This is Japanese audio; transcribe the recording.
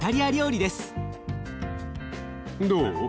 どう？